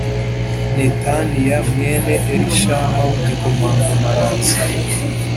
Netaniya mwene Elishama w igikomangoma araza